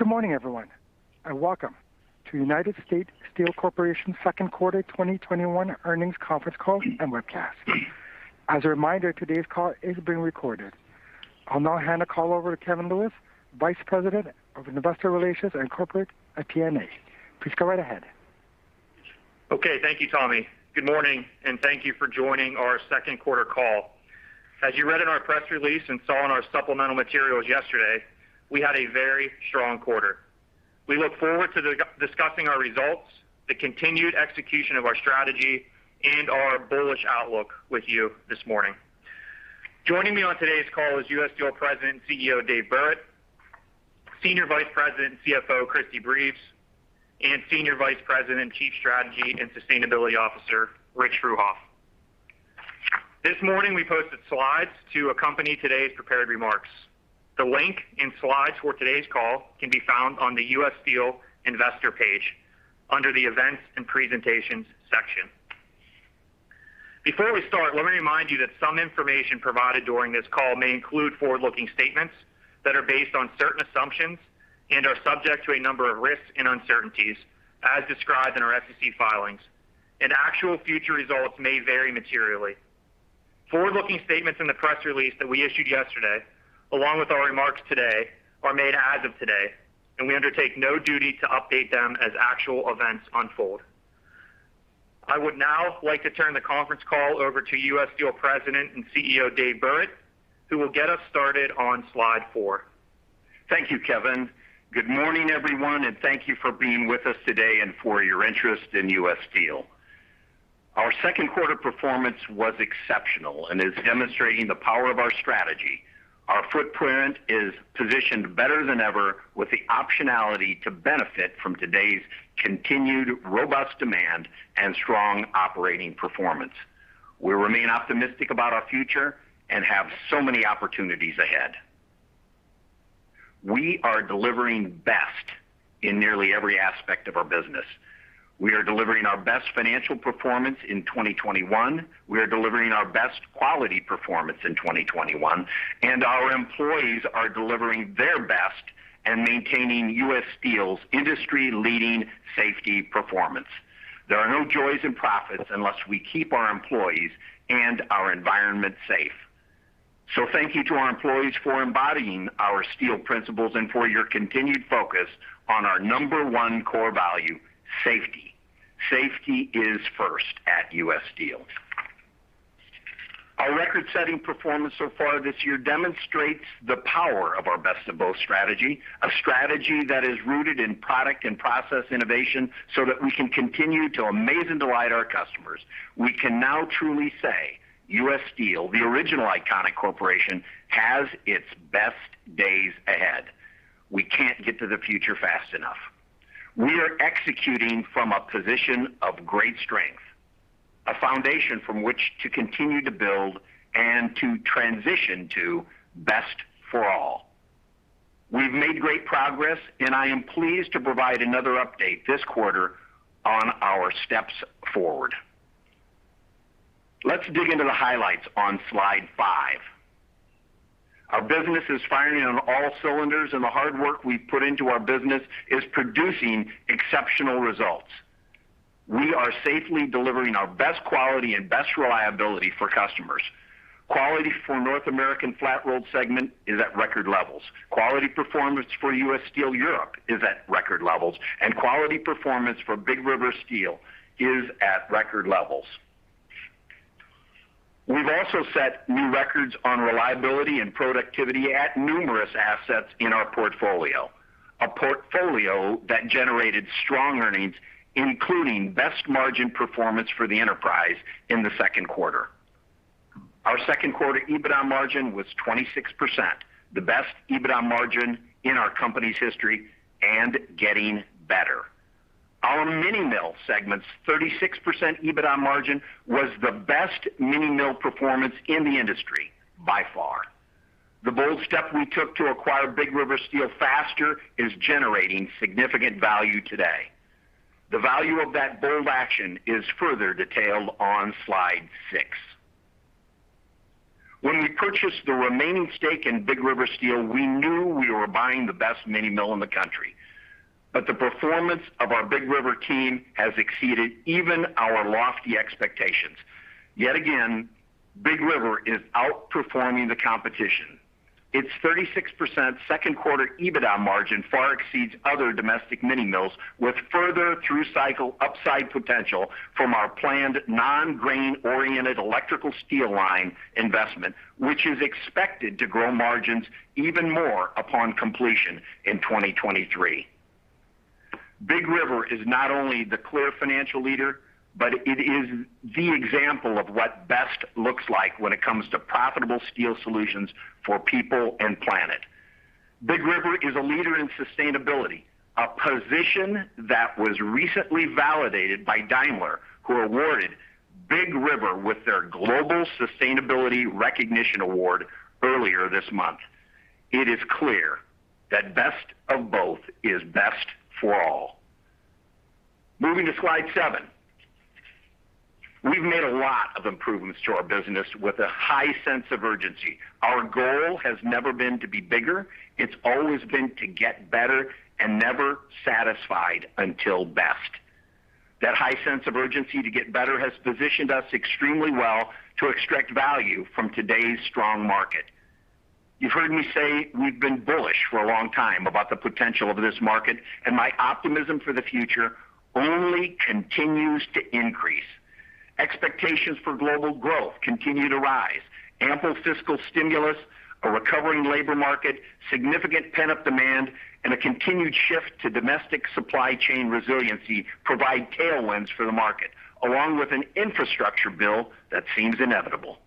Good morning, everyone, and welcome to United States Steel Corporation second quarter 2021 earnings conference call and webcast. As a reminder, today's call is being recorded. I'll now hand the call over to Kevin Lewis, Vice President of Investor Relations and Corporate FP&A. Please go right ahead. Okay. Thank you, Tommy. Good morning, and thank you for joining our second quarter call. As you read in our press release and saw in our supplemental materials yesterday, we had a very strong quarter. We look forward to discussing our results, the continued execution of our strategy, and our bullish outlook with you this morning. Joining me on today's call is U.S. Steel President and CEO, Dave Burritt, Senior Vice President and CFO, Christie Breves, and Senior Vice President and Chief Strategy and Sustainability Officer, Rich Fruehauf. This morning, we posted slides to accompany today's prepared remarks. The link and slides for today's call can be found on the U.S. Steel investor page under the Events and Presentations section. Before we start, let me remind you that some information provided during this call may include forward-looking statements that are based on certain assumptions and are subject to a number of risks and uncertainties as described in our SEC filings, and actual future results may vary materially. Forward-looking statements in the press release that we issued yesterday, along with our remarks today, are made as of today, and we undertake no duty to update them as actual events unfold. I would now like to turn the conference call over to U.S. Steel President and CEO, Dave Burritt, who will get us started on slide four. Thank you, Kevin. Good morning, everyone, and thank you for being with us today and for your interest in U.S. Steel. Our second quarter performance was exceptional and is demonstrating the power of our strategy. Our footprint is positioned better than ever with the optionality to benefit from today's continued robust demand and strong operating performance. We remain optimistic about our future and have so many opportunities ahead. We are delivering best in nearly every aspect of our business. We are delivering our best financial performance in 2021. We are delivering our best quality performance in 2021, and our employees are delivering their best in maintaining U.S. Steel's industry-leading safety performance. There are no joys in profits unless we keep our employees and our environment safe. Thank you to our employees for embodying our steel principles and for your continued focus on our number one core value, safety. Safety is first at U.S. Steel. Our record-setting performance so far this year demonstrates the power of our Best of Both strategy, a strategy that is rooted in product and process innovation so that we can continue to amaze and delight our customers. We can now truly say U.S. Steel, the original iconic corporation, has its best days ahead. We can't get to the future fast enough. We are executing from a position of great strength, a foundation from which to continue to build and to transition to Best for All. We've made great progress, and I am pleased to provide another update this quarter on our steps forward. Let's dig into the highlights on slide five. Our business is firing on all cylinders, and the hard work we've put into our business is producing exceptional results. We are safely delivering our best quality and best reliability for customers. Quality for North American Flat-Rolled segment is at record levels. Quality performance for U.S. Steel Europe is at record levels, and quality performance for Big River Steel is at record levels. We've also set new records on reliability and productivity at numerous assets in our portfolio, a portfolio that generated strong earnings, including best margin performance for the enterprise in the second quarter. Our second quarter EBITDA margin was 26%, the best EBITDA margin in our company's history and getting better. Our mini mill segment's 36% EBITDA margin was the best mini mill performance in the industry by far. The bold step we took to acquire Big River Steel faster is generating significant value today. The value of that bold action is further detailed on slide six. When we purchased the remaining stake in Big River Steel, we knew we were buying the best mini mill in the country. The performance of our Big River team has exceeded even our lofty expectations. Yet again, Big River is outperforming the competition. Its 36% second-quarter EBITDA margin far exceeds other domestic mini mills, with further through-cycle upside potential from our planned non-grain-oriented electrical steel line investment, which is expected to grow margins even more upon completion in 2023. Big River is not only the clear financial leader, but it is the example of what best looks like when it comes to profitable steel solutions for people and planet. Big River is a leader in sustainability, a position that was recently validated by Daimler, who awarded Big River with their Global Sustainability Recognition Award earlier this month. It is clear that Best of Both is Best for All. Moving to slide seven, of improvements to our business with a high sense of urgency. Our goal has never been to be bigger. It has always been to get better and never satisfied until best. That high sense of urgency to get better has positioned us extremely well to extract value from today's strong market. You have heard me say we have been bullish for a long time about the potential of this market, and my optimism for the future only continues to increase. Expectations for global growth continue to rise. Ample fiscal stimulus, a recovering labor market, significant pent-up demand, and a continued shift to domestic supply chain resiliency provide tailwinds for the market, along with an infrastructure bill that seems inevitable.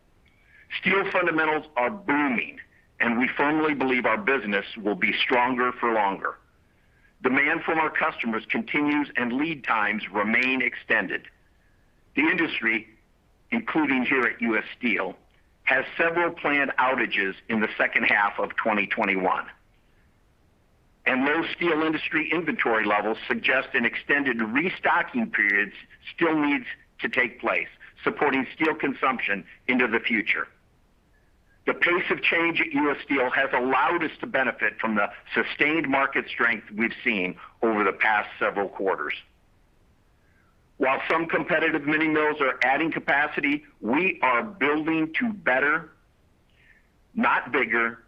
Steel fundamentals are booming, and we firmly believe our business will be stronger for longer. Demand from our customers continues, and lead times remain extended. The industry, including here at U.S. Steel, has several planned outages in the second half of 2021. Low steel industry inventory levels suggest an extended restocking period still needs to take place, supporting steel consumption into the future. The pace of change at U.S. Steel has allowed us to benefit from the sustained market strength we've seen over the past several quarters. While some competitive mini mills are adding capacity, we are building to better, not bigger,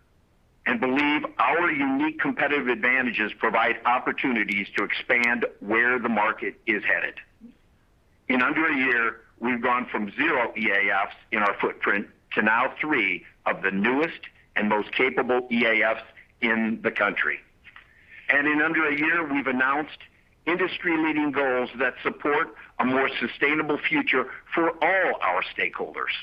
and believe our unique competitive advantages provide opportunities to expand where the market is headed. In under a year, we've gone from 0 EAFs in our footprint to now three of the newest and most capable EAFs in the country. In under a year, we've announced industry-leading goals that support a more sustainable future for all our stakeholders.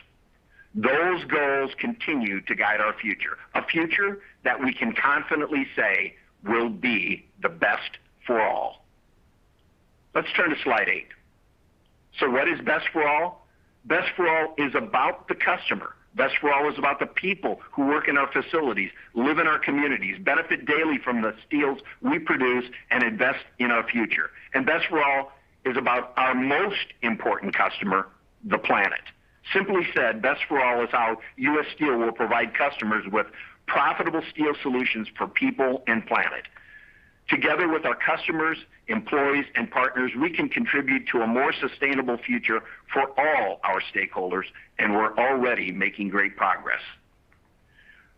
Those goals continue to guide our future, a future that we can confidently say will be the Best for All. Let's turn to slide eight. What is Best for All? Best for All is about the customer. Best for All is about the people who work in our facilities, live in our communities, benefit daily from the steels we produce, and invest in our future. Best for All is about our most important customer, the planet. Simply said, Best for All is how U.S. Steel will provide customers with profitable steel solutions for people and planet. Together with our customers, employees, and partners, we can contribute to a more sustainable future for all our stakeholders, and we're already making great progress.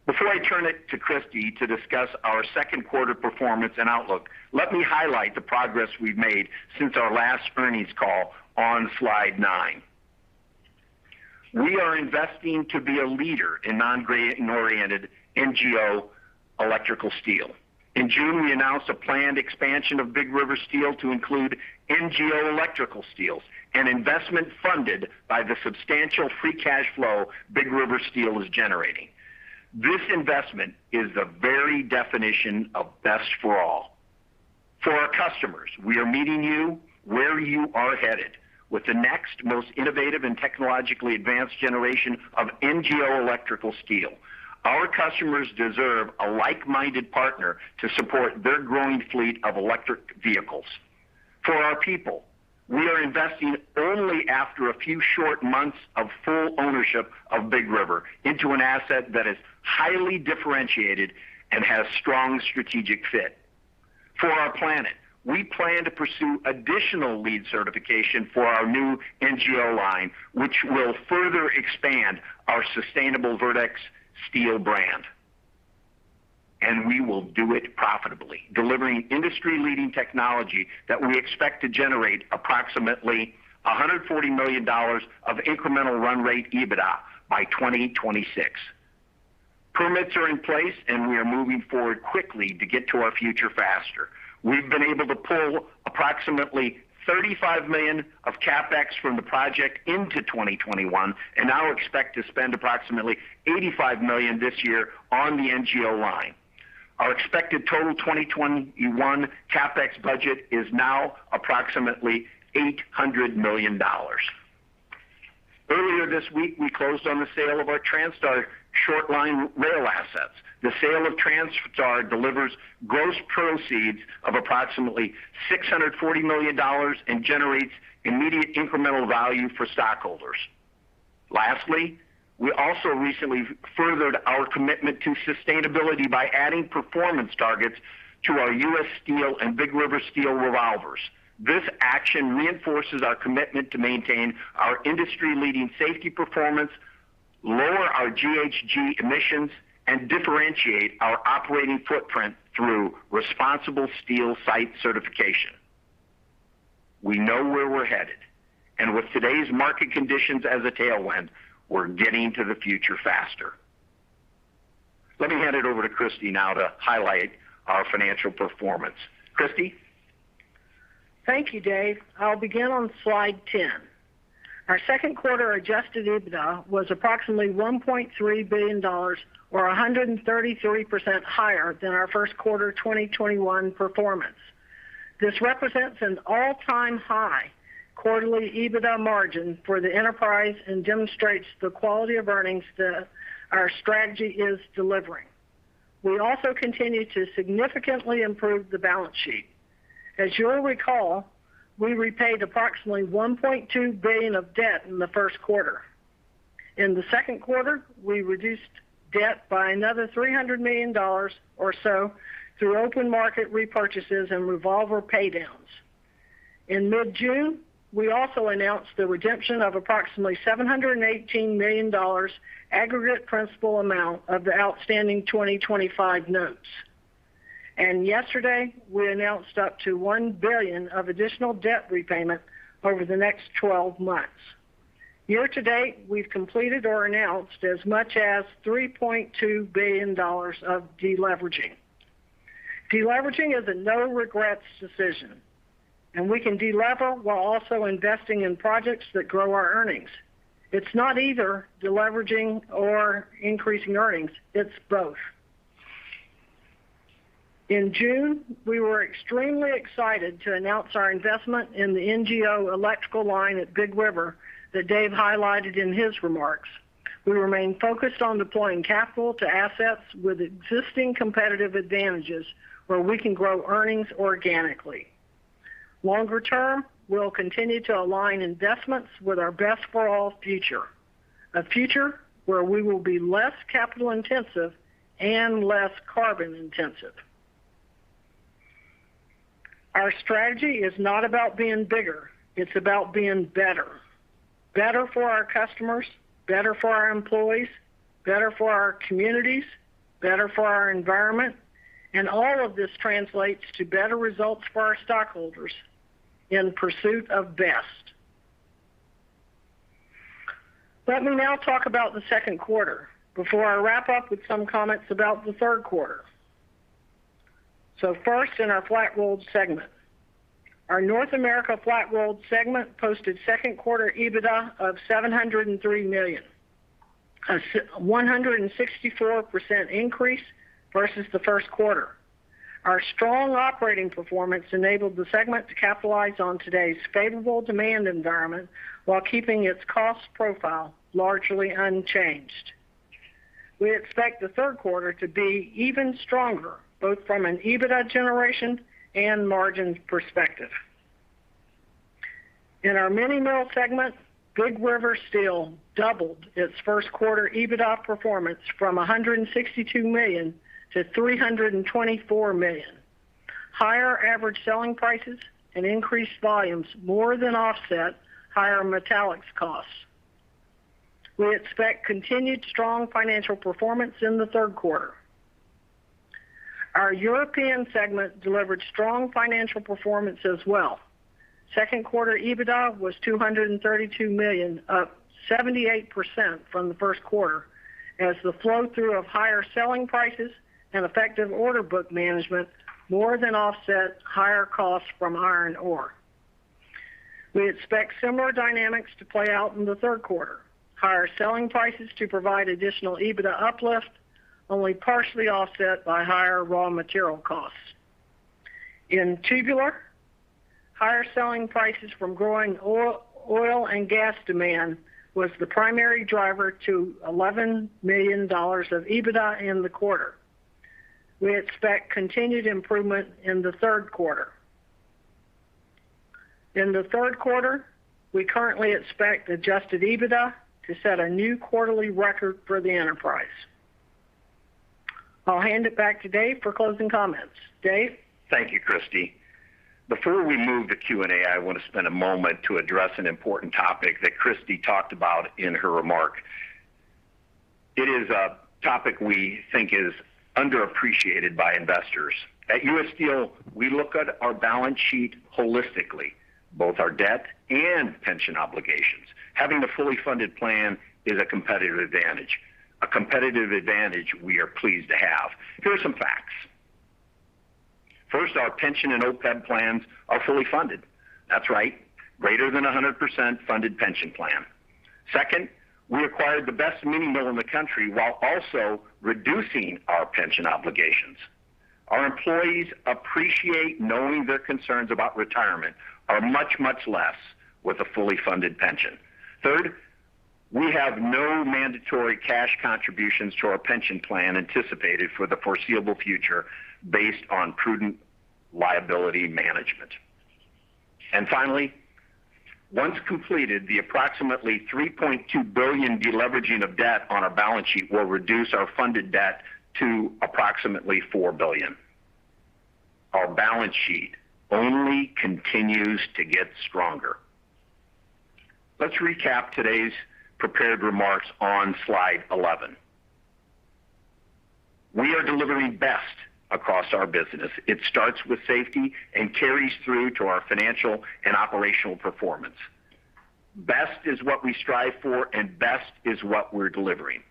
Before I turn it to Christie to discuss our second quarter performance and outlook, let me highlight the progress we've made since our last earnings call on slide nine. We are investing to be a leader in non-grain-oriented, NGO, electrical steel. In June, we announced a planned expansion of Big River Steel to include NGO electrical steels, an investment funded by the substantial free cash flow Big River Steel is generating. This investment is the very definition of Best for All. For our customers, we are meeting you where you are headed with the next most innovative and technologically advanced generation of NGO electrical steel. Our customers deserve a like-minded partner to support their growing fleet of electric vehicles. For our people, we are investing only after a few short months of full ownership of Big River into an asset that is highly differentiated and has strong strategic fit. For our planet, we plan to pursue additional LEED certification for our new NGO line, which will further expand our sustainable verdeX steel brand. We will do it profitably, delivering industry-leading technology that we expect to generate approximately $140 million of incremental run rate EBITDA by 2026. Permits are in place, and we are moving forward quickly to get to our future faster. We've been able to pull approximately $35 million of CapEx from the project into 2021 and now expect to spend approximately $85 million this year on the NGO line. Our expected total 2021 CapEx budget is now approximately $800 million. Earlier this week, we closed on the sale of our Transtar short line rail assets. The sale of Transtar delivers gross proceeds of approximately $640 million and generates immediate incremental value for stockholders. Lastly, we also recently furthered our commitment to sustainability by adding performance targets to U.S. Steel and Big River Steel revolvers. This action reinforces our commitment to maintain our industry-leading safety performance, lower our GHG emissions, and differentiate our operating footprint through ResponsibleSteel site certification. We know where we're headed, and with today's market conditions as a tailwind, we're getting to the future faster. Let me hand it over to Christie now to highlight our financial performance. Christie? Thank you, Dave. I'll begin on slide 10. Our second quarter adjusted EBITDA was approximately $1.3 billion, or 133% higher than our first quarter 2021 performance. This represents an all-time high quarterly EBITDA margin for the enterprise and demonstrates the quality of earnings that our strategy is delivering. We also continue to significantly improve the balance sheet. As you'll recall, we repaid approximately $1.2 billion of debt in the first quarter. In the second quarter, we reduced debt by another $300 million or so through open market repurchases and revolver paydowns. In mid-June, we also announced the redemption of approximately $718 million aggregate principal amount of the outstanding 2025 notes. Yesterday, we announced up to $1 billion of additional debt repayment over the next 12 months. Year-to-date, we've completed or announced as much as $3.2 billion of de-leveraging. De-leveraging is a no-regrets decision, and we can de-lever while also investing in projects that grow our earnings. It's not either de-leveraging or increasing earnings. It's both. In June, we were extremely excited to announce our investment in the NGO electrical line at Big River that Dave highlighted in his remarks. We remain focused on deploying capital to assets with existing competitive advantages where we can grow earnings organically. Longer term, we'll continue to align investments with our Best for All future, a future where we will be less capital intensive and less carbon intensive. Our strategy is not about being bigger. It's about being better. Better for our customers, better for our employees, better for our communities, better for our environment, and all of this translates to better results for our stockholders in pursuit of best. Let me now talk about the second quarter, before I wrap up with some comments about the third quarter. So first, in our Flat-Rolled segment. Our North America Flat-Rolled segment posted second quarter EBITDA of $703 million, a 164% increase versus the first quarter. Our strong operating performance enabled the segment to capitalize on today's favorable demand environment while keeping its cost profile largely unchanged. We expect the third quarter to be even stronger, both from an EBITDA generation and margin perspective. In our mini mill segment, Big River Steel doubled its first quarter EBITDA performance from $162 million to $324 million. Higher average selling prices and increased volumes more than offset higher metallics costs. We expect continued strong financial performance in the third quarter. Our European segment delivered strong financial performance as well. Second quarter EBITDA was $232 million, up 78% from the first quarter as the flow-through of higher selling prices and effective order book management more than offset higher costs from iron ore. We expect similar dynamics to play out in the third quarter. Higher selling prices to provide additional EBITDA uplift, only partially offset by higher raw material costs. In Tubular, higher selling prices from growing oil and gas demand was the primary driver to $11 million of EBITDA in the quarter. We expect continued improvement in the third quarter. In the third quarter, we currently expect adjusted EBITDA to set a new quarterly record for the enterprise. I'll hand it back to Dave for closing comments. Dave? Thank you, Christie. Before we move to Q&A, I want to spend a moment to address an important topic that Christie talked about in her remark. It is a topic we think is underappreciated by investors. U.S. Steel, we look at our balance sheet holistically, both our debt and pension obligations. Having a fully funded plan is a competitive advantage. A competitive advantage we are pleased to have. Here are some facts. First, our pension and OPEB plans are fully funded. That's right, greater than 100% funded pension plan. Second, we acquired the best mini mill in the country while also reducing our pension obligations. Our employees appreciate knowing their concerns about retirement are much, much less with a fully funded pension. Third, we have no mandatory cash contributions to our pension plan anticipated for the foreseeable future based on prudent liability management. Finally, once completed, the approximately $3.2 billion de-leveraging of debt on our balance sheet will reduce our funded debt to approximately $4 billion. Our balance sheet only continues to get stronger. Let's recap today's prepared remarks on slide 11. We are delivering best across our business. It starts with safety and carries through to our financial and operational performance. Best is what we strive for, and best is what we're delivering.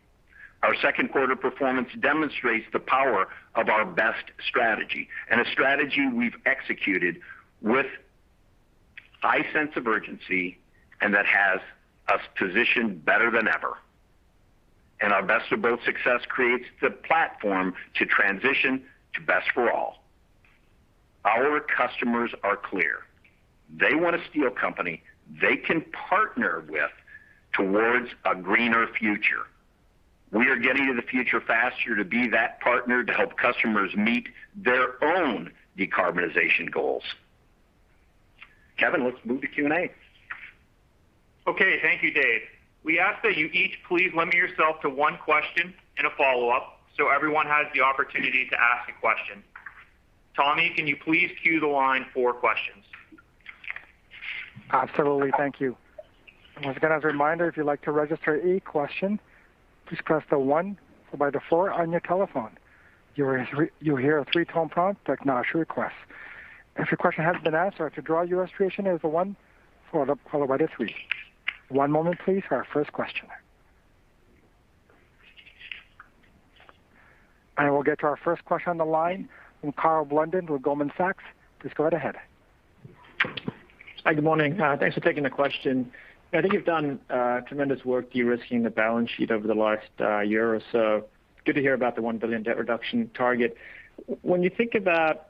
Our second quarter performance demonstrates the power of our best strategy and a strategy we've executed with high sense of urgency and that has us positioned better than ever. Our Best of Both success creates the platform to transition to Best for All. Customers are clear. They want a steel company they can partner with towards a greener future. We are getting to the future faster to be that partner to help customers meet their own decarbonization goals. Kevin, let's move to Q&A. Thank you, Dave. We ask that you each please limit yourself to one question and a follow-up so everyone has the opportunity to ask a question. Tommy, can you please queue the line for questions? Absolutely, thank you. If you would like to register a question please press the one on your telephone. One moment please, our first question. I will get to our first question on the line from Karl Blunden with Goldman Sachs. Please go right ahead. Hi. Good morning. Thanks for taking the question. I think you've done tremendous work de-risking the balance sheet over the last year or so. Good to hear about the $1 billion debt reduction target. When you think about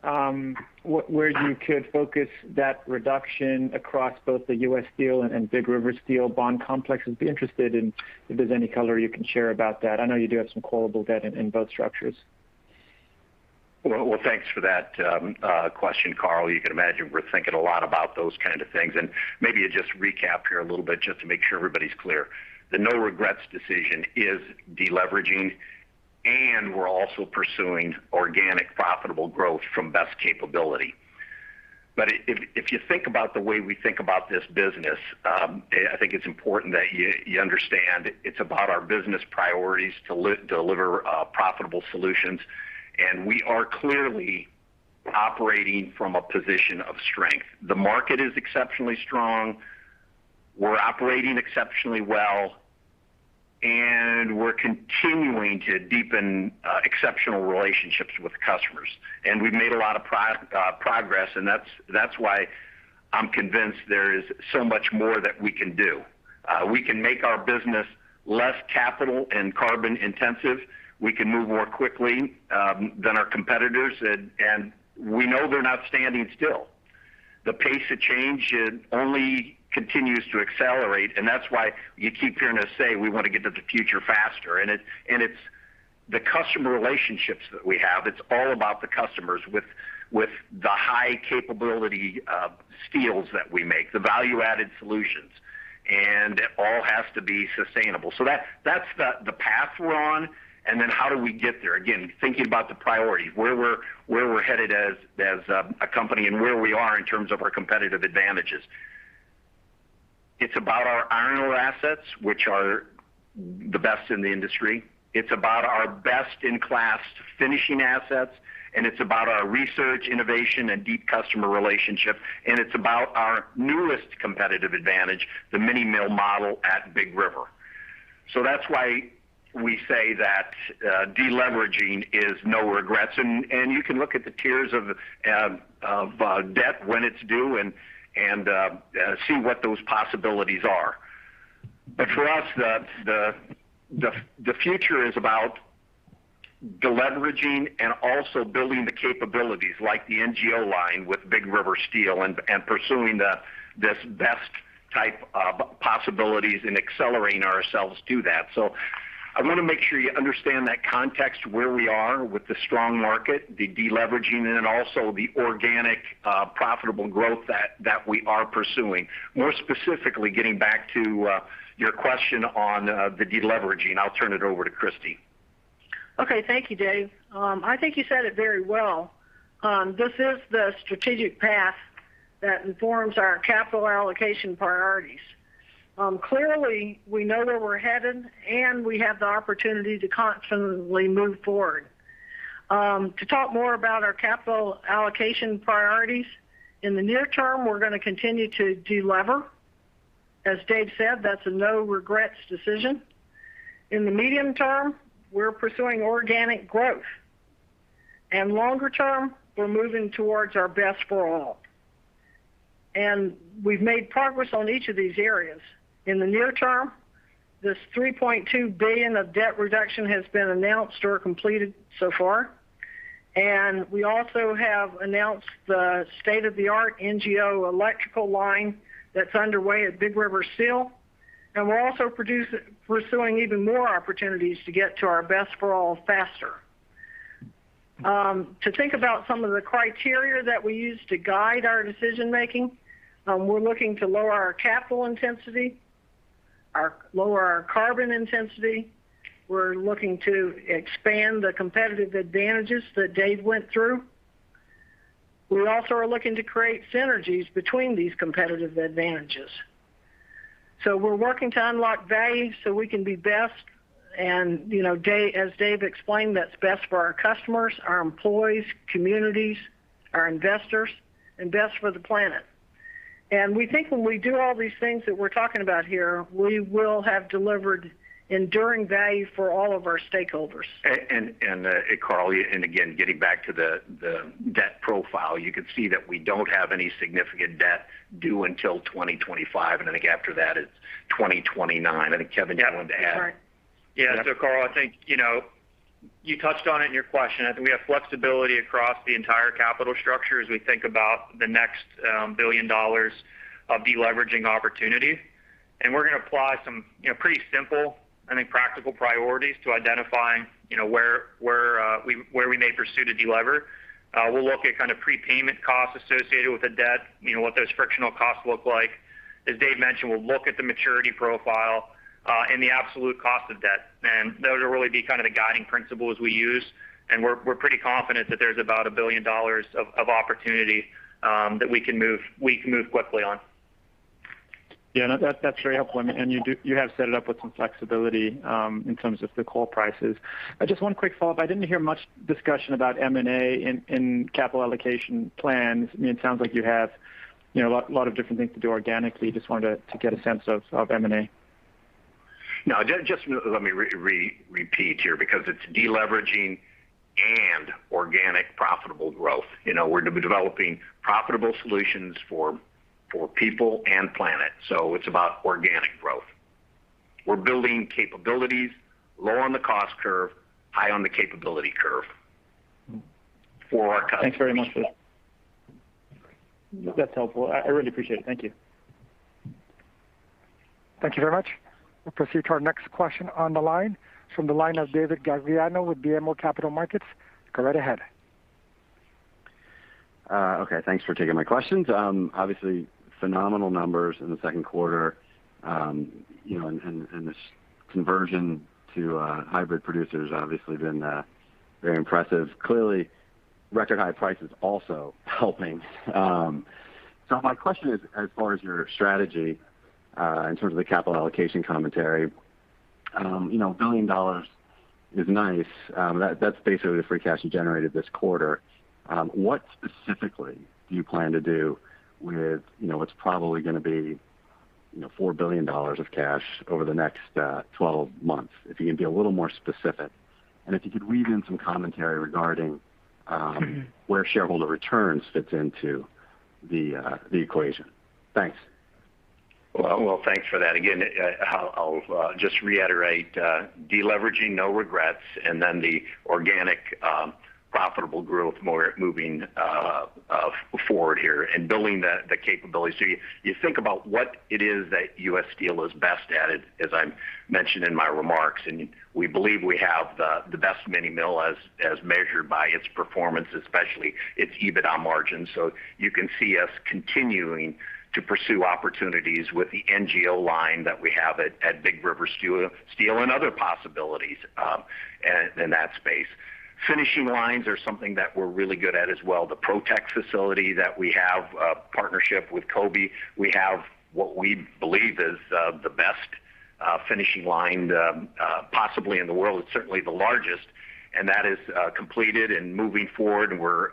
where you could focus that reduction across both the U.S. Steel and Big River Steel bond complex, I'd be interested in if there's any color you can share about that. I know you do have some callable debt in both structures. Well, thanks for that question, Karl. You can imagine we're thinking a lot about those kind of things. Maybe to just recap here a little bit just to make sure everybody's clear. The no regrets decision is de-leveraging, and we're also pursuing organic profitable growth from best capability. If you think about the way we think about this business, I think it's important that you understand it's about our business priorities to deliver profitable solutions, and we are clearly operating from a position of strength. The market is exceptionally strong. We're operating exceptionally well, and we're continuing to deepen exceptional relationships with customers. We've made a lot of progress, and that's why I'm convinced there is so much more that we can do. We can make our business less capital and carbon intensive. We can move more quickly than our competitors. We know they're not standing still. The pace of change only continues to accelerate. That's why you keep hearing us say we want to get to the future faster. It's the customer relationships that we have. It's all about the customers with the high capability steels that we make, the value-added solutions. It all has to be sustainable. That's the path we're on, and then how do we get there? Again, thinking about the priorities, where we're headed as a company and where we are in terms of our competitive advantages. It's about our iron ore assets, which are the best in the industry. It's about our best-in-class finishing assets, and it's about our research, innovation, and deep customer relationship. It's about our newest competitive advantage, the mini mill model at Big River. That's why we say that de-leveraging is no regrets. You can look at the tiers of debt when it's due and see what those possibilities are. For us, the future is about de-leveraging and also building the capabilities like the NGO line with Big River Steel and pursuing this best type of possibilities and accelerating ourselves to that. I want to make sure you understand that context where we are with the strong market, the de-leveraging, and also the organic profitable growth that we are pursuing. More specifically, getting back to your question on the de-leveraging. I'll turn it over to Christie. Okay. Thank you, Dave. I think you said it very well. This is the strategic path that informs our capital allocation priorities. Clearly, we know where we're headed, and we have the opportunity to constantly move forward. To talk more about our capital allocation priorities, in the near term, we're gonna continue to de-lever. As Dave said, that's a no regrets decision. In the medium term, we're pursuing organic growth. Longer term, we're moving towards our Best for All. We've made progress on each of these areas. In the near term, this $3.2 billion of debt reduction has been announced or completed so far. We also have announced the state-of-the-art NGO electrical line that's underway at Big River Steel. We're also pursuing even more opportunities to get to our Best for All faster. To think about some of the criteria that we use to guide our decision-making, we're looking to lower our capital intensity, lower our carbon intensity. We're looking to expand the competitive advantages that Dave went through. We also are looking to create synergies between these competitive advantages. We're working to unlock value so we can be best. As Dave explained, that's best for our customers, our employees, communities, our investors, and best for the planet. We think when we do all these things that we're talking about here, we will have delivered enduring value for all of our stakeholders. Karl, again, getting back to the debt profile, you can see that we don't have any significant debt due until 2025, and I think after that it's 2029. I think Kevin might want to add. Karl, I think you touched on it in your question. I think we have flexibility across the entire capital structure as we think about the next $1 billion of deleveraging opportunity. We're going to apply some pretty simple, I think, practical priorities to identifying where we may pursue to delever. We'll look at prepayment costs associated with the debt, what those frictional costs look like. As Dave mentioned, we'll look at the maturity profile and the absolute cost of debt. Those will really be the guiding principles we use, and we're pretty confident that there's about $1 billion of opportunity that we can move quickly on. Yeah, no, that's very helpful. You have set it up with some flexibility in terms of the coal prices. Just one quick follow-up. I didn't hear much discussion about M&A in capital allocation plans. It sounds like you have a lot of different things to do organically. Just wanted to get a sense of M&A. Just let me repeat here, because it's deleveraging and organic profitable growth. We're developing profitable solutions for people and planet. It's about organic growth. We're building capabilities low on the cost curve, high on the capability curve for our customers. Thanks very much for that. No. That's helpful. I really appreciate it. Thank you. Thank you very much. We'll proceed to our next question on the line from the line of David Gagliano with BMO Capital Markets. Go right ahead. Okay. Thanks for taking my questions. Obviously, phenomenal numbers in the second quarter. This conversion to hybrid producers obviously been very impressive. Clearly, record high prices also helping. My question is, as far as your strategy, in terms of the capital allocation commentary. $1 billion is nice. That's basically the free cash you generated this quarter. What specifically do you plan to do with what's probably gonna be $4 billion of cash over the next 12 months? If you can be a little more specific, and if you could weave in some commentary regarding where shareholder returns fits into the equation. Thanks. Thanks for that. Again, I'll just reiterate, deleveraging, no regrets, and then the organic profitable growth more moving forward here and building the capabilities. You think about what it is that U.S. Steel is best at, as I mentioned in my remarks. We believe we have the best mini mill as measured by its performance, especially its EBITDA margin. You can see us continuing to pursue opportunities with the NGO line that we have at Big River Steel and other possibilities in that space. Finishing lines are something that we're really good at as well. The PRO-TEC facility that we have a partnership with Kobe. We have what we believe is the best finishing line possibly in the world. It's certainly the largest. That is completed and moving forward, and we're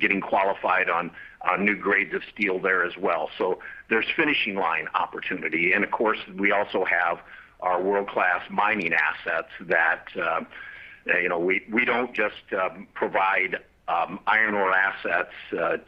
getting qualified on new grades of steel there as well. There's finishing line opportunity. Of course, we also have our world-class mining assets. We don't just provide iron ore assets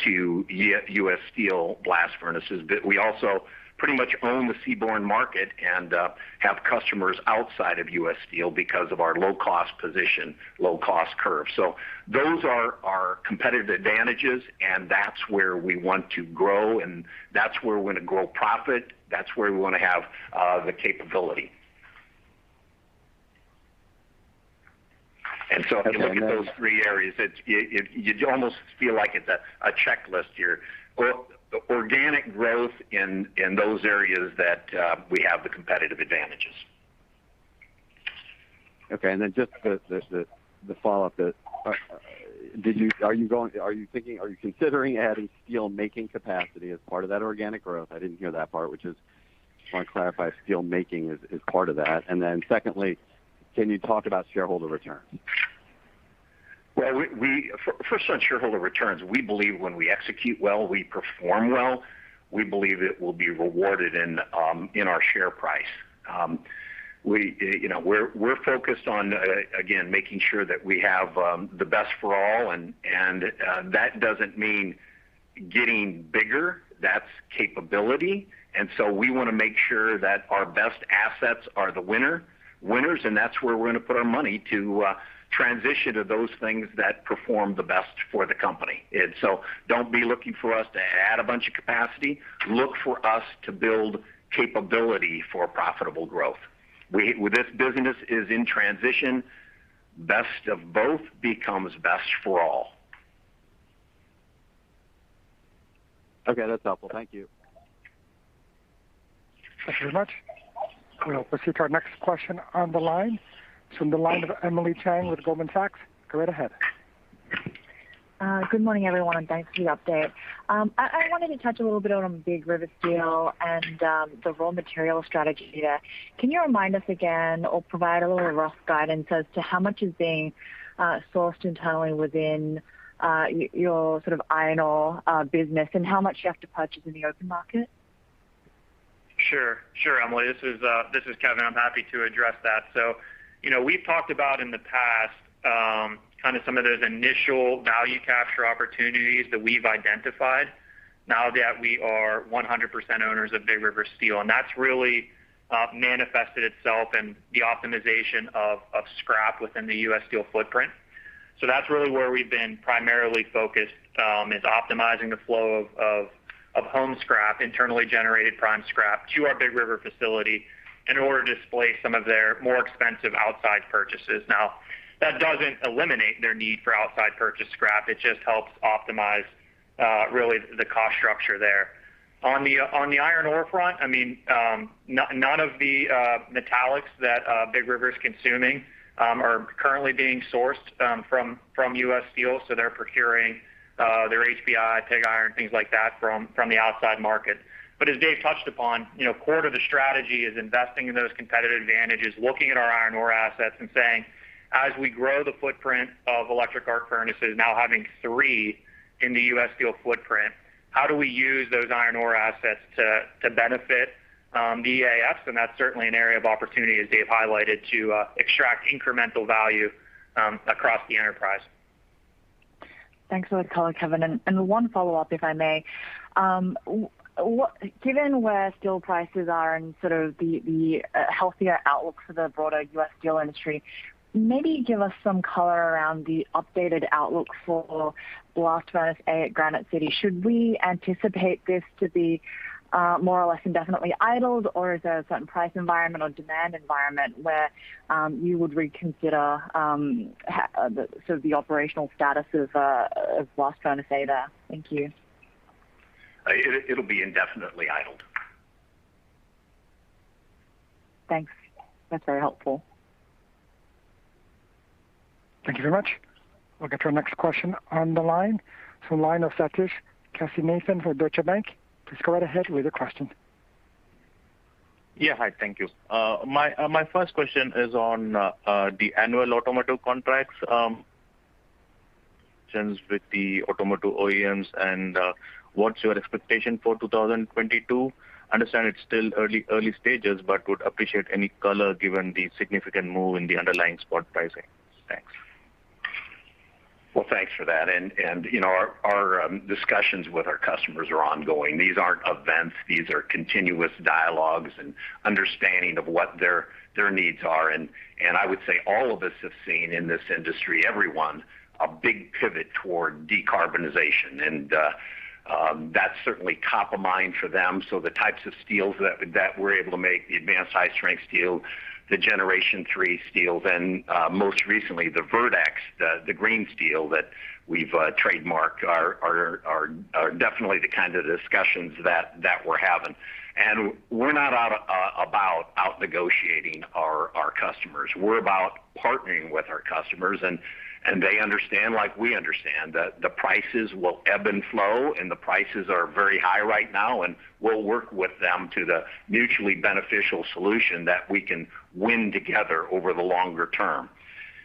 to U.S. Steel blast furnaces, but we also pretty much own the seaborne market and have customers outside of U.S. Steel because of our low-cost position, low-cost curve. Those are our competitive advantages, and that's where we want to grow, and that's where we want to grow profit. That's where we want to have the capability. If you look at those three areas, you almost feel like it's a checklist here. Organic growth in those areas that we have the competitive advantages. Okay, just the follow-up. Are you considering adding steelmaking capacity as part of that organic growth? I didn't hear that part, which is I want to clarify steelmaking as part of that. Secondly, can you talk about shareholder returns? First on shareholder returns, we believe when we execute well, we perform well. We believe it will be rewarded in our share price. We're focused on, again, making sure that we have the Best for All, and that doesn't mean getting bigger. That's capability. We want to make sure that our best assets are the winners, and that's where we're going to put our money to transition to those things that perform the best for the company. Don't be looking for us to add a bunch of capacity. Look for us to build capability for profitable growth. This business is in transition. Best of Both becomes Best for All. Okay, that's helpful. Thank you. Thank you very much. We'll proceed to our next question on the line. It's from the line of Emily Chieng with Goldman Sachs. Go right ahead. Good morning, everyone, thanks for the update. I wanted to touch a little bit on Big River Steel and the raw material strategy there. Can you remind us again or provide a little rough guidance as to how much is being sourced internally within your iron ore business and how much you have to purchase in the open market? Sure, Emily. This is Kevin. I'm happy to address that. We've talked about, in the past, some of those initial value capture opportunities that we've identified. Now that we are 100% owners of Big River Steel, that's really manifested itself in the optimization of scrap within the U.S. Steel footprint. That's really where we've been primarily focused, is optimizing the flow of home scrap, internally generated prime scrap, to our Big River facility in order to displace some of their more expensive outside purchases. That doesn't eliminate their need for outside purchased scrap. It just helps optimize really the cost structure there. On the iron ore front, none of the metallics that Big River Steel is consuming are currently being sourced from U.S. Steel, they're procuring their HBI, pig iron, things like that from the outside market. As Dave touched upon, core to the strategy is investing in those competitive advantages, looking at our iron ore assets and saying, "As we grow the footprint of electric arc furnaces, now having three in the U.S. Steel footprint, how do we use those iron ore assets to benefit the EAF?" That's certainly an area of opportunity, as Dave highlighted, to extract incremental value across the enterprise. Thanks for the color, Kevin. One follow-up, if I may. Given where steel prices are and the healthier outlook for the broader U.S. Steel industry, maybe give us some color around the updated outlook for blast furnace at Granite City. Should we anticipate this to be more or less indefinitely idled, or is there a certain price environment or demand environment where you would reconsider the operational status of blast furnace data? Thank you. It'll be indefinitely idled. Thanks. That's very helpful. Thank you very much. We'll get your next question on the line from the line of Sathish Kasinathan for Deutsche Bank. Please go right ahead with your question. Yeah, hi. Thank you. My first question is on the annual automotive contracts with the automotive OEMs and what's your expectation for 2022? I understand it's still early stages, would appreciate any color given the significant move in the underlying spot pricing. Thanks. Well, thanks for that. Our discussions with our customers are ongoing. These aren't events. These are continuous dialogues and understanding of what their needs are, and I would say all of us have seen in this industry, everyone, a big pivot toward decarbonization, and that's certainly top of mind for them. The types of steels that we're able to make, the advanced high-strength steel, the Generation 3 steels, and most recently, the verdeX, the green steel that we've trademarked, are definitely the kind of discussions that we're having. We're not about out-negotiating our customers. We're about partnering with our customers, and they understand like we understand that the prices will ebb and flow, and the prices are very high right now, and we'll work with them to the mutually beneficial solution that we can win together over the longer term.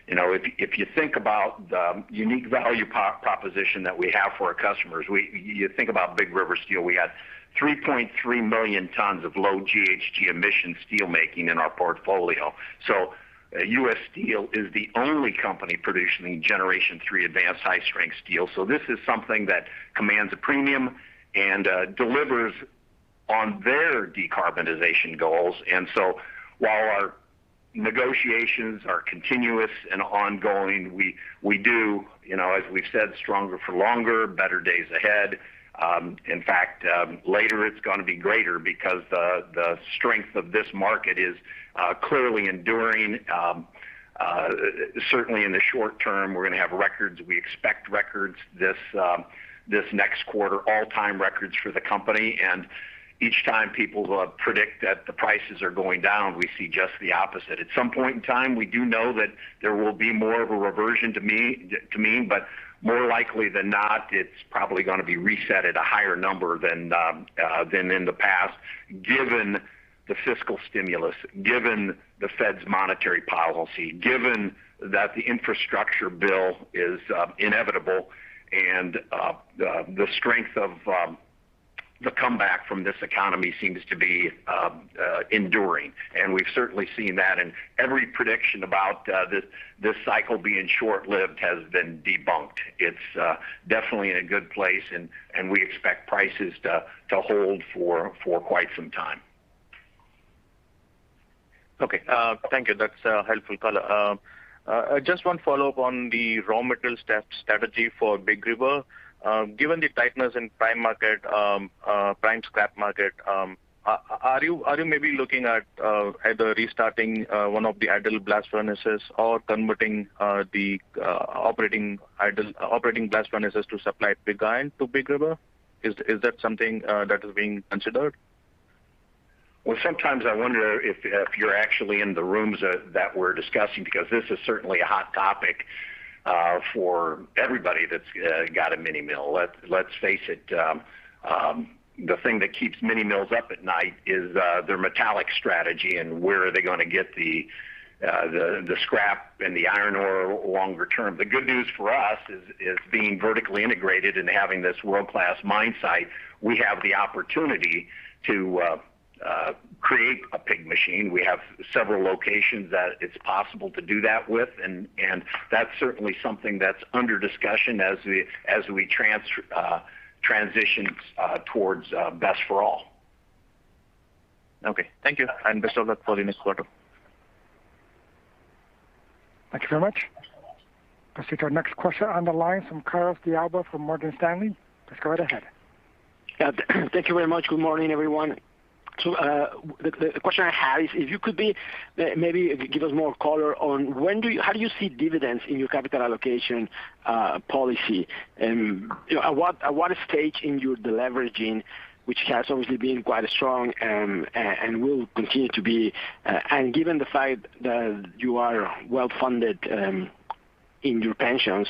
If you think about the unique value proposition that we have for our customers, you think about Big River Steel, we have 3.3 million tons of low GHG emission steel making in our portfolio. U.S. Steel is the only company producing Generation 3 advanced high-strength steel. This is something that commands a premium and delivers on their decarbonization goals. While our negotiations are continuous and ongoing, we do, as we've said, stronger for longer, better days ahead. In fact, later it's going to be greater because the strength of this market is clearly enduring. Certainly in the short term, we're going to have records. We expect records this next quarter, all-time records for the company. Each time people predict that the prices are going down, we see just the opposite. At some point in time, we do know that there will be more of a reversion to mean, but more likely than not, it's probably going to be reset at a higher number than in the past, given the fiscal stimulus, given the Fed's monetary policy, given that the infrastructure bill is inevitable and the strength of the comeback from this economy seems to be enduring. We've certainly seen that in every prediction about this cycle being short-lived has been debunked. It's definitely in a good place, and we expect prices to hold for quite some time. Okay. Thank you. That's a helpful color. Just one follow-up on the raw material strategy for Big River. Given the tightness in prime scrap market, are you maybe looking at either restarting one of the idle blast furnaces or converting the operating blast furnaces to supply pig iron to Big River? Is that something that is being considered? Well, sometimes I wonder if you're actually in the rooms that we're discussing because this is certainly a hot topic for everybody that's got a mini mill. Let's face it. The thing that keeps mini mills up at night is their metallic strategy and where are they going to get the scrap and the iron ore longer term. The good news for us is being vertically integrated and having this world-class mine site. We have the opportunity to create a pig machine. We have several locations that it's possible to do that with, and that's certainly something that's under discussion as we transition towards Best for All. Okay. Thank you. Best of luck for the next quarter. Thank you very much. Let's take our next question on the line from Carlos de Alba from Morgan Stanley. Please go right ahead. Thank you very much. Good morning, everyone. The question I have is if you could maybe give us more color on how do you see dividends in your capital allocation policy? At what stage in your deleveraging, which has obviously been quite strong and will continue to be, and given the fact that you are well-funded in your pensions,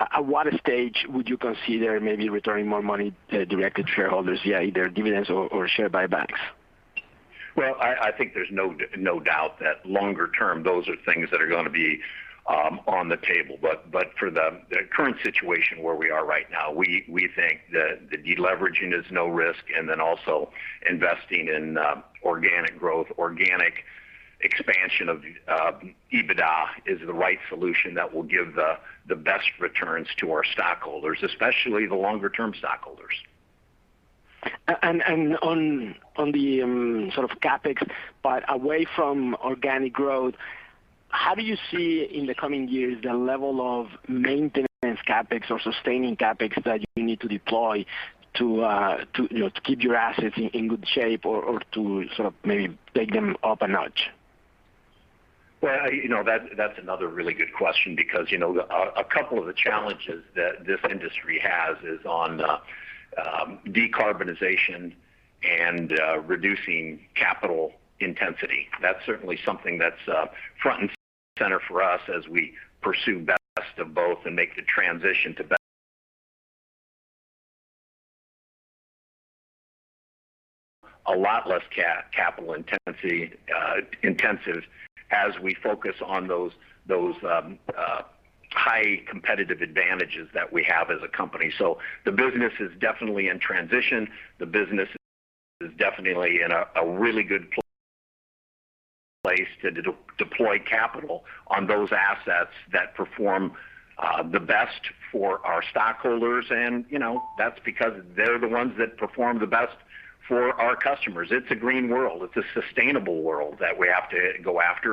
at what stage would you consider maybe returning more money directed to shareholders, either dividends or share buybacks? Well, I think there's no doubt that longer term, those are things that are going to be on the table. For the current situation where we are right now, we think the deleveraging is no risk, also investing in organic growth, organic expansion of EBITDA is the right solution that will give the best returns to our stockholders, especially the longer-term stockholders. On the CapEx, away from organic growth, how do you see in the coming years the level of maintenance CapEx or sustaining CapEx that you need to deploy to keep your assets in good shape or to maybe take them up a notch? Well, that's another really good question because a couple of the challenges that this industry has is on decarbonization and reducing capital intensity. That's certainly something that's front and center for us as we pursue Best of Both and make the transition to be a lot less capital intensive as we focus on those high competitive advantages that we have as a company. The business is definitely in transition. The business is definitely in a really good place to deploy capital on those assets that perform the best for our stockholders. That's because they're the ones that perform the best for our customers. It's a green world. It's a sustainable world that we have to go after.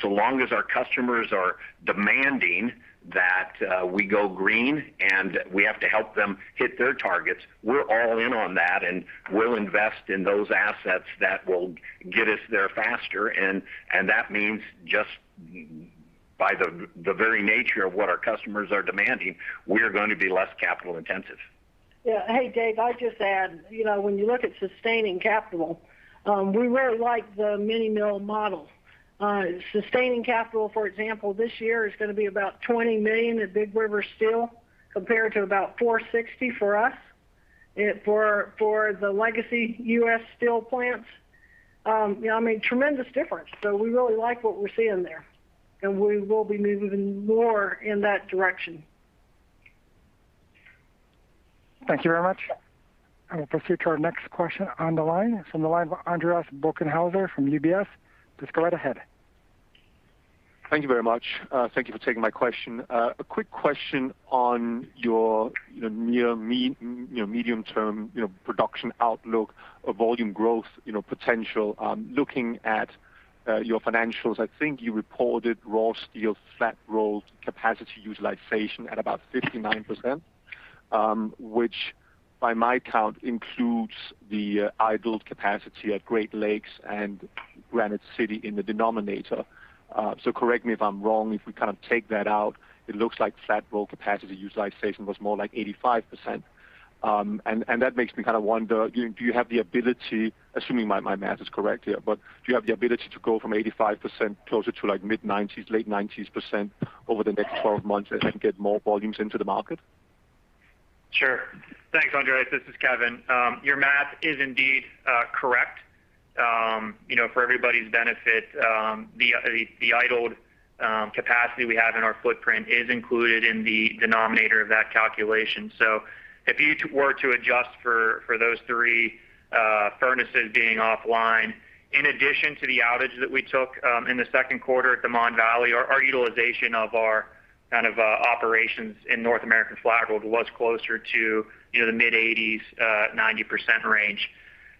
So long as our customers are demanding that we go green and we have to help them hit their targets, we're all in on that, and we'll invest in those assets that will get us there faster. That means just by the very nature of what our customers are demanding, we're going to be less capital intensive. Hey, Dave, I'd just add, when you look at sustaining capital, we really like the mini mill model. Sustaining capital, for example, this year is going to be about $20 million at Big River Steel compared to about $460 million for us. For the legacy U.S. Steel plants. I mean, tremendous difference. We really like what we're seeing there, and we will be moving more in that direction. Thank you very much. I will proceed to our next question on the line. It's on the line for Andreas Bokkenheuser from UBS. Please go right ahead. Thank you very much. Thank you for taking my question. A quick question on your near-medium term production outlook of volume growth potential. Looking at your financials, I think you reported raw steel flat rolled capacity utilization at about 59%, which by my count includes the idled capacity at Great Lakes and Granite City in the denominator. Correct me if I'm wrong. If we take that out, it looks like flat roll capacity utilization was more like 85%. That makes me kind of wonder, do you have the ability, assuming my math is correct here, but do you have the ability to go from 85% closer to mid-90s, late 90s% over the next 12 months and get more volumes into the market? Sure. Thanks, Andreas. This is Kevin. Your math is indeed correct. For everybody's benefit, the idled capacity we have in our footprint is included in the denominator of that calculation. If you were to adjust for those three furnaces being offline, in addition to the outage that we took in the second quarter at Mon Valley, our utilization of our operations in North American Flat-Rolled was closer to the mid-80s, 90% range.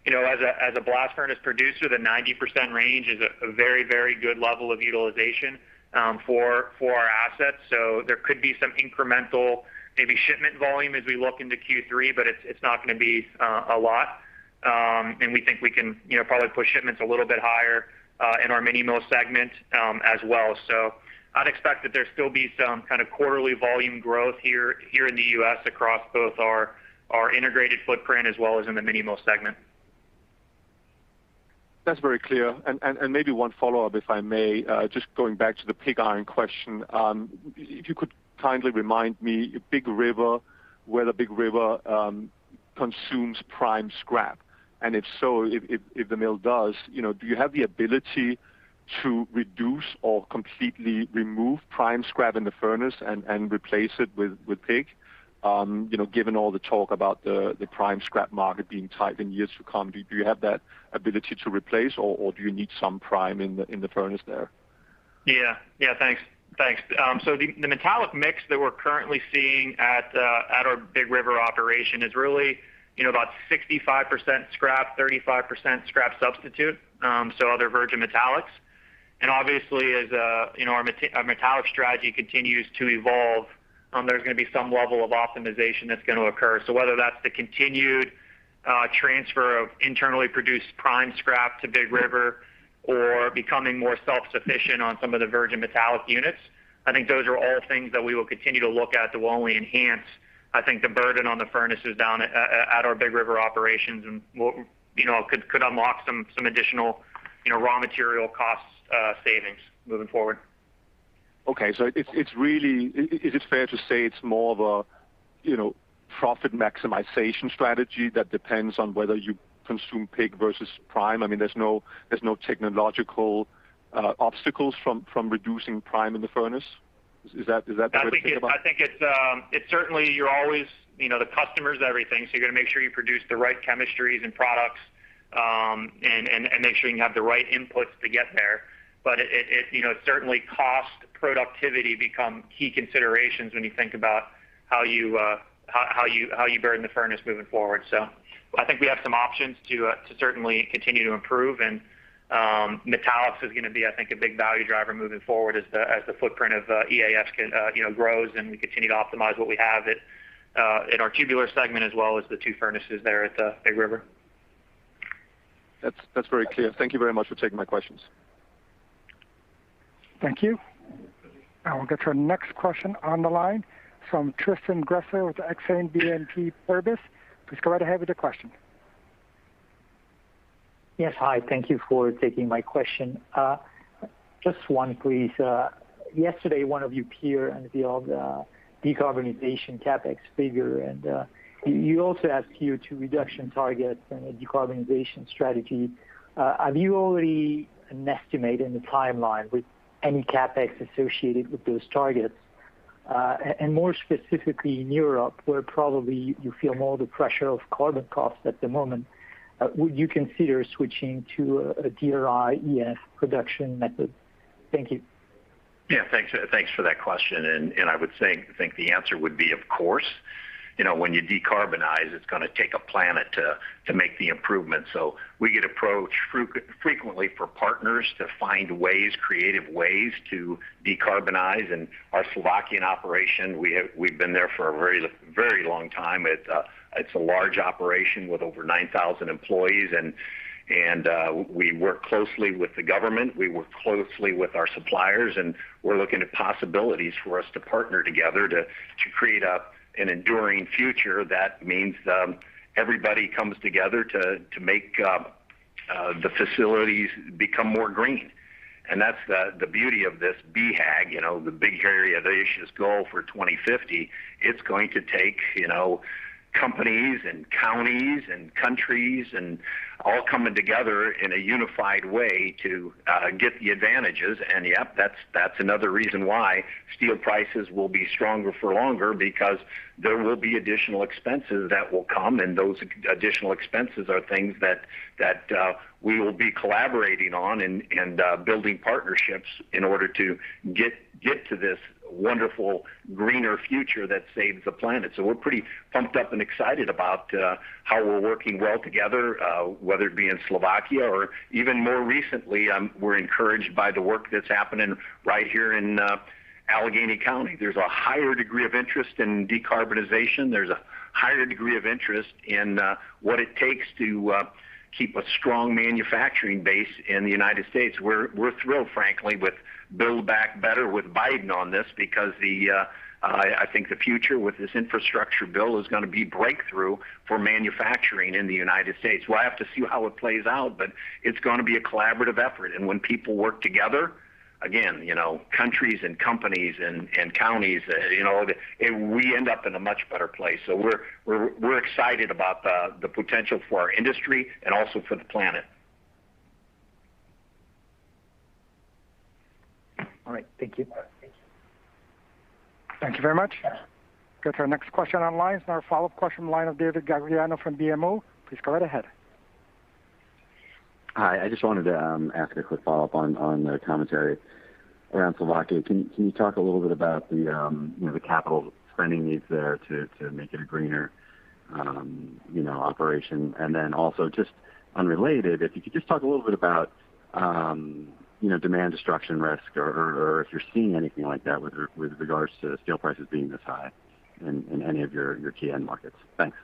As a blast furnace producer, the 90% range is a very good level of utilization for our assets. There could be some incremental, maybe shipment volume as we look into Q3, but it's not going to be a lot. We think we can probably push shipments a little bit higher in our mini mill segment as well. I'd expect that there'll still be some kind of quarterly volume growth here in the U.S. across both our integrated footprint as well as in the mini mill segment. That's very clear. Maybe one follow-up, if I may, just going back to the pig iron question. If you could kindly remind me, whether Big River consumes prime scrap. If so, if the mill does, do you have the ability to reduce or completely remove prime scrap in the furnace and replace it with pig, given all the talk about the prime scrap market being tight in years to come. Do you have that ability to replace or do you need some prime in the furnace there? Yeah. Thanks. The metallic mix that we're currently seeing at our Big River operation is really about 65% scrap, 35% scrap substitute, so other virgin metallics. Obviously as our metallic strategy continues to evolve, there's going to be some level of optimization that's going to occur. Whether that's the continued transfer of internally produced prime scrap to Big River or becoming more self-sufficient on some of the virgin metallic units, I think those are all things that we will continue to look at that will only enhance, I think, the burden on the furnaces down at our Big River operations and could unlock some additional raw material cost savings moving forward. Okay. Is it fair to say it's more of a profit maximization strategy that depends on whether you consume pig versus prime? There's no technological obstacles from reducing prime in the furnace? Is that the way to think about it? I think it's certainly, the customer's everything, so you got to make sure you produce the right chemistries and products, and make sure you have the right inputs to get there. Certainly cost, productivity become key considerations when you think about how you burden the furnace moving forward. I think we have some options to certainly continue to improve. Metallics is going to be, I think, a big value driver moving forward as the footprint of EAF grows and we continue to optimize what we have at our Tubular segment as well as the two furnaces there at Big River. That's very clear. Thank you very much for taking my questions. Thank you. I will get your next question on the line from Tristan Gresser with Exane BNP Paribas. Please go right ahead with your question. Yes. Hi. Thank you for taking my question. Just one, please. Yesterday, one of your peer unveiled a decarbonization CapEx figure, and you also have CO2 reduction targets and a decarbonization strategy. Have you already an estimate and a timeline with any CapEx associated with those targets? More specifically in Europe, where probably you feel more the pressure of carbon costs at the moment, would you consider switching to a DRI-EAF production method? Thank you. Thanks for that question, and I would think the answer would be, of course. When you decarbonize, it's going to take a planet to make the improvements. We get approached frequently for partners to find ways, creative ways to decarbonize. Our Slovakian operation, we've been there for a very long time. It's a large operation with over 9,000 employees, and we work closely with the government. We work closely with our suppliers, and we're looking at possibilities for us to partner together to create up an enduring future that means everybody comes together to make the facilities become more green. That's the beauty of this BHAG, the big hairy audacious goal for 2050. It's going to take companies and counties and countries all coming together in a unified way to get the advantages. Yep, that's another reason why steel prices will be stronger for longer because there will be additional expenses that will come. Those additional expenses are things that we will be collaborating on and building partnerships in order to get to this wonderful greener future that saves the planet. We're pretty pumped up and excited about how we're working well together, whether it be in Slovakia or even more recently, we're encouraged by the work that's happening right here in Allegheny County. There's a higher degree of interest in decarbonization. There's a higher degree of interest in what it takes to keep a strong manufacturing base in the United States. We're thrilled, frankly, with Build Back Better with Biden on this because I think the future with this infrastructure bill is going to be breakthrough for manufacturing in the United States. We'll have to see how it plays out, but it's going to be a collaborative effort. When people work together, again, countries and companies and counties, we end up in a much better place. We're excited about the potential for our industry and also for the planet. All right. Thank you. Thank you very much. Go to our next question on line. It is our follow-up question from the line of David Gagliano from BMO. Please go right ahead. Hi. I just wanted to ask a quick follow-up on the commentary around Slovakia. Can you talk a little bit about the capital spending needs there to make it a greener operation? Also just unrelated, if you could just talk a little bit about demand destruction risk or if you're seeing anything like that with regards to steel prices being this high in any of your key end markets. Thanks.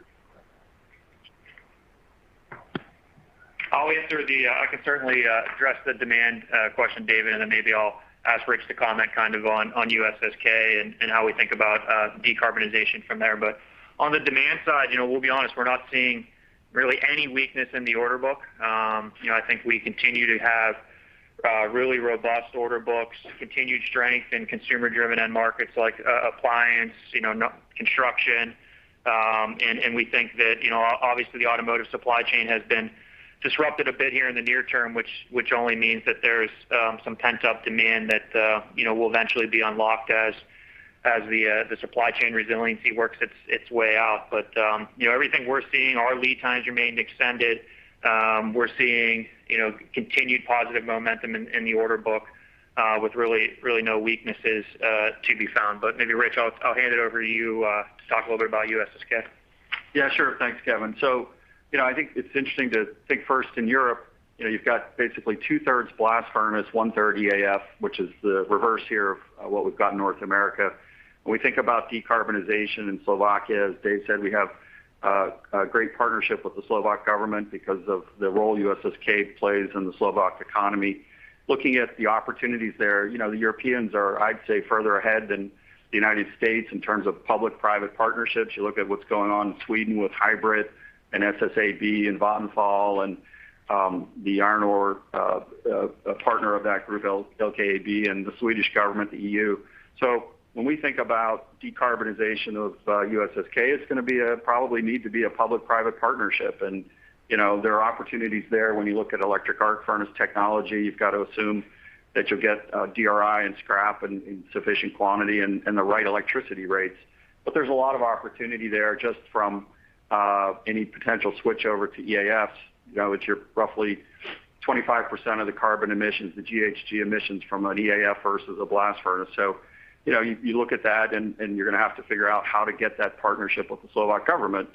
I can certainly address the demand question, David, and then maybe I'll ask Rich to comment on USSK and how we think about decarbonization from there. On the demand side, we'll be honest, we're not seeing really any weakness in the order book. I think we continue to have really robust order books, continued strength in consumer-driven end markets like appliance, construction. We think that obviously the automotive supply chain has been disrupted a bit here in the near term, which only means that there's some pent-up demand that will eventually be unlocked as the supply chain resiliency works its way out. Everything we're seeing, our lead times remained extended. We're seeing continued positive momentum in the order book with really no weaknesses to be found. Maybe, Rich, I'll hand it over to you to talk a little bit about USSK. Yeah, sure. Thanks, Kevin. I think it's interesting to think first in Europe. You've got basically 2/3 blast furnace, 1/3 EAF, which is the reverse here of what we've got in North America. When we think about decarbonization in Slovakia, as Dave said, we have a great partnership with the Slovak government because of the role USSK plays in the Slovak economy. Looking at the opportunities there, the Europeans are, I'd say, further ahead than the United States in terms of public-private partnerships. You look at what's going on in Sweden with HYBRIT and SSAB and Vattenfall and the iron ore partner of that group, LKAB, and the Swedish government, the EU. When we think about decarbonization of USSK, it's going to probably need to be a public-private partnership. There are opportunities there. When you look at electric arc furnace technology, you've got to assume that you'll get DRI and scrap in sufficient quantity and the right electricity rates. There's a lot of opportunity there just from any potential switch over to EAFs. You're roughly 25% of the carbon emissions, the GHG emissions from an EAF versus a blast furnace. You look at that, and you're going to have to figure out how to get that partnership with the Slovak government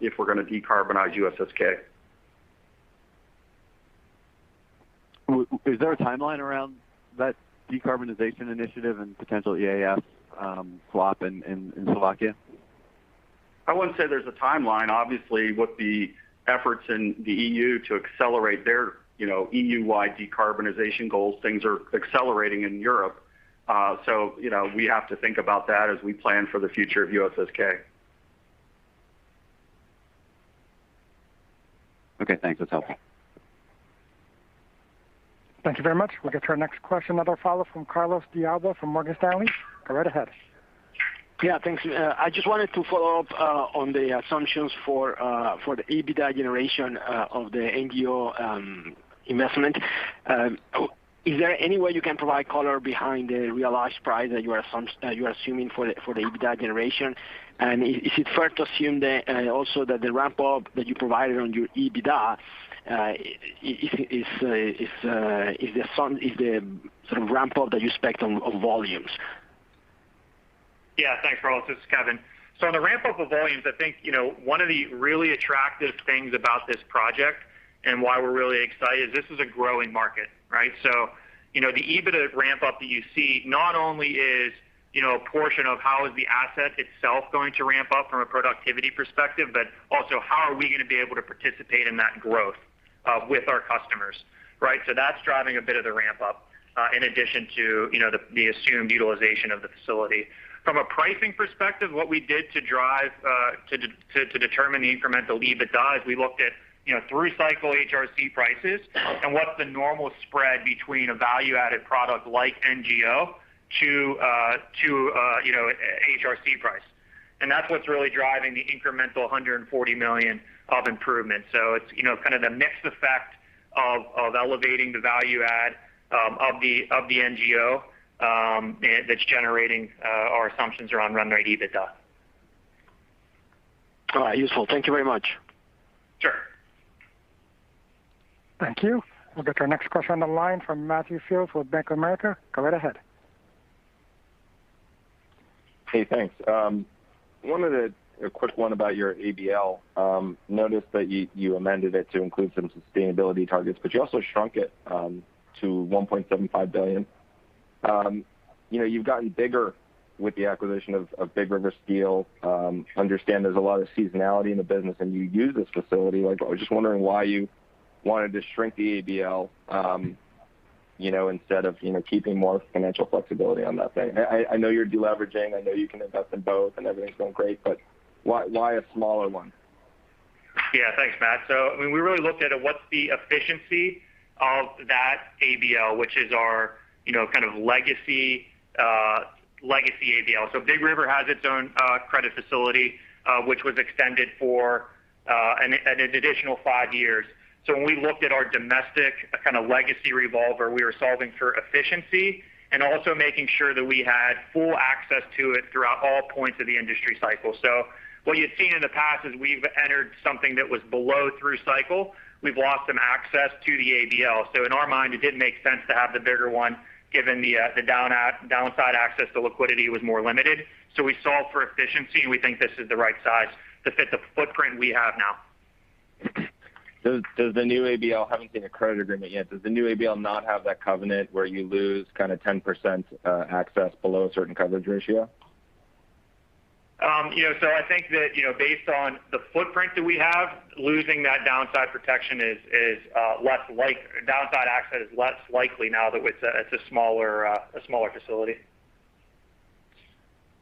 if we're going to decarbonize USSK. Is there a timeline around that decarbonization initiative and potential EAF swap in Slovakia? I wouldn't say there's a timeline. Obviously, with the efforts in the EU to accelerate their EU-wide decarbonization goals, things are accelerating in Europe. We have to think about that as we plan for the future of USSK. Okay. Thanks. That's helpful. Thank you very much. We'll get to our next question, another follow-up from Carlos de Alba from Morgan Stanley. Go right ahead. Yeah, thanks. I just wanted to follow up on the assumptions for the EBITDA generation of the NGO investment. Is there any way you can provide color behind the realized price that you are assuming for the EBITDA generation? Is it fair to assume also that the ramp-up that you provided on your EBITDA is the sort of ramp-up that you expect on volumes? Thanks, Carlos. This is Kevin. On the ramp-up of volumes, I think one of the really attractive things about this project and why we're really excited is this is a growing market, right? The EBITDA ramp-up that you see not only is a portion of how is the asset itself going to ramp up from a productivity perspective, but also how are we going to be able to participate in that growth with our customers, right? That's driving a bit of the ramp-up in addition to the assumed utilization of the facility. From a pricing perspective, what we did to determine the incremental EBITDA is we looked at through-cycle HRC prices and what the normal spread between a value-added product like NGO to HRC price. That's what's really driving the incremental $140 million of improvement. It's kind of the mixed effect of elevating the value add of the NGO that's generating our assumptions around run-rate EBITDA. All right, useful. Thank you very much. Sure. Thank you. We'll get to our next question on the line from Matthew Fields with Bank of America. Go right ahead. Hey, thanks. A quick one about your ABL. Noticed that you amended it to include some sustainability targets, but you also shrunk it to $1.75 billion. You've gotten bigger with the acquisition of Big River Steel. Understand there's a lot of seasonality in the business, and you use this facility. I was just wondering why you wanted to shrink the ABL instead of keeping more financial flexibility on that thing. I know you're de-leveraging. I know you can invest in both and everything's going great, but why a smaller one? Yeah, thanks, Matt. We really looked at what's the efficiency of that ABL, which is our kind of legacy ABL. Big River has its own credit facility, which was extended for an additional five years. When we looked at our domestic kind of legacy revolver, we were solving for efficiency and also making sure that we had full access to it throughout all points of the industry cycle. What you had seen in the past is we've entered something that was below through cycle. We've lost some access to the ABL. In our mind, it didn't make sense to have the bigger one given the downside access to liquidity was more limited. We solved for efficiency, and we think this is the right size to fit the footprint we have now. The new ABL, haven't seen a credit agreement yet. Does the new ABL not have that covenant where you lose kind of 10% access below a certain coverage ratio? I think that based on the footprint that we have, downside access is less likely now that it's a smaller facility.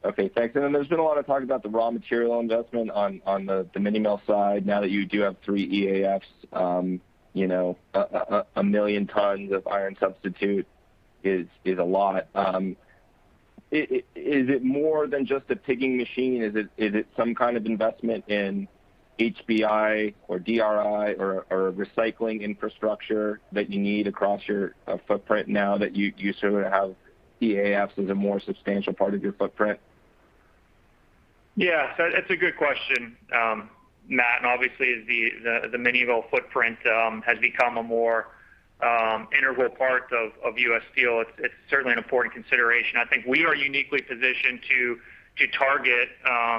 Okay. Thanks. There's been a lot of talk about the raw material investment on the mini mill side now that you do have three EAFs. 1 million tons of iron substitute is a lot. Is it more than just a pigging machine? Is it some kind of investment in HBI or DRI or recycling infrastructure that you need across your footprint now that you sort of have EAF as a more substantial part of your footprint? Yeah. That's a good question, Matt, and obviously as the mini mill footprint has become a more integral part of U.S. Steel, it's certainly an important consideration. I think we are uniquely positioned to target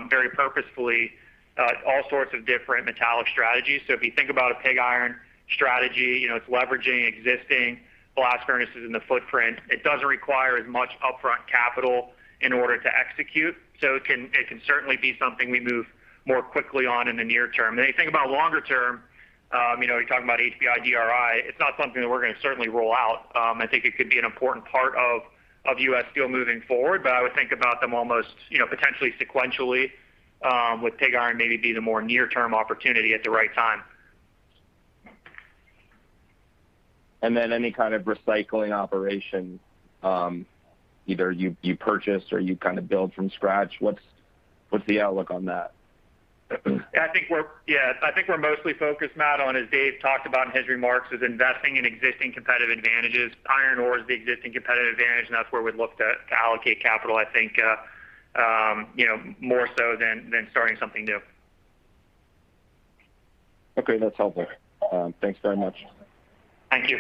very purposefully all sorts of different metallic strategies. If you think about a pig iron strategy, it's leveraging existing blast furnaces in the footprint. It doesn't require as much upfront capital in order to execute. It can certainly be something we move more quickly on in the near term. You think about longer term, you're talking about HBI, DRI. It's not something that we're going to certainly rule out. I think it could be an important part of U.S. Steel moving forward, but I would think about them almost potentially sequentially, with pig iron maybe being the more near-term opportunity at the right time. Any kind of recycling operation, either you purchase or you kind of build from scratch. What's the outlook on that? Yeah, I think we're mostly focused, Matt, on, as Dave talked about in his remarks, is investing in existing competitive advantages. Iron ore is the existing competitive advantage, and that's where we'd look to allocate capital, I think, more so than starting something new. Okay. That's helpful. Thanks very much. Thank you.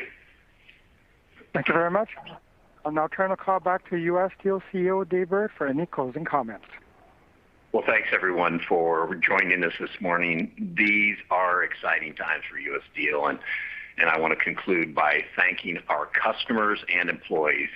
Thank you very much. I will now turn the call back to U.S. Steel CEO, Dave Burritt, for any closing comments. Well, thanks everyone for joining us this morning. These are exciting times for U.S. Steel, and I want to conclude by thanking our customers and employees.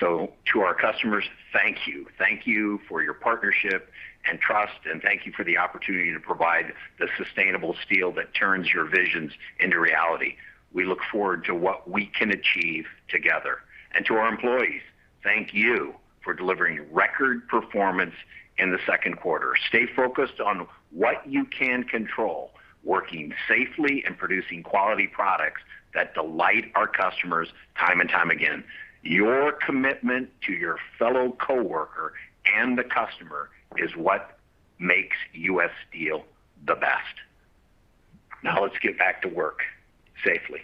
To our customers, thank you. Thank you for your partnership and trust, and thank you for the opportunity to provide the sustainable steel that turns your visions into reality. We look forward to what we can achieve together. To our employees, thank you for delivering record performance in the second quarter. Stay focused on what you can control, working safely and producing quality products that delight our customers time and time again. Your commitment to your fellow coworker and the customer is what makes U.S. Steel the best. Now let's get back to work safely.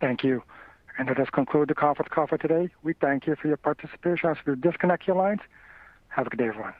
Thank you. That does conclude the conference call for today. We thank you for your participation. You can disconnect your lines. Have a good day, everyone.